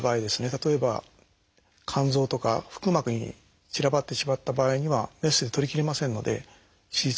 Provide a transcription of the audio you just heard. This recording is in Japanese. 例えば肝臓とか腹膜に散らばってしまった場合にはメスで取りきれませんので手術はできません。